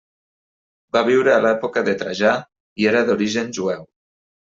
Va viure a l'època de Trajà i era d'origen jueu.